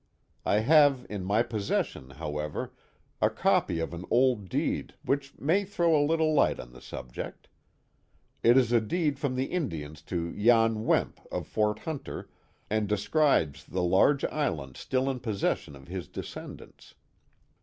I have in my pos session, however, a copy of an old deed which may throw a little light on the subject. It is a deed from the Indians to Jan Wemp of Fort Hunter, and describes the large island still in possession of his descendants.